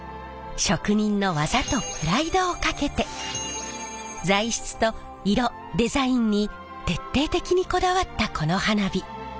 職人の技とプライドをかけて材質と色デザインに徹底的にこだわったこの花火。